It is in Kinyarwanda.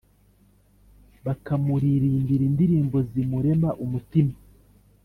bakamuririmbira indirimbo zimurema umutima.